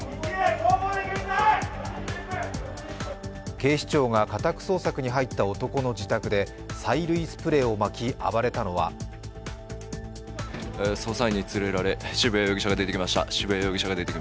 警視庁が家宅捜索に入った男の自宅で催涙スプレーをまき暴れたのは捜査員に連れられ、渋谷容疑者が出てきました。